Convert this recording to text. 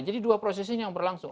jadi dua prosesnya yang berlangsung